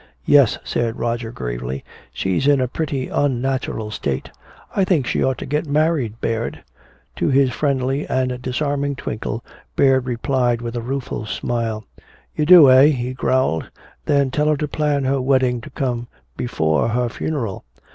"Yes," said Roger gravely, "she's in a pretty unnatural state. I think she ought to get married, Baird " To his friendly and disarming twinkle Baird replied with a rueful smile. "You do, eh," he growled. "Then tell her to plan her wedding to come before her funeral."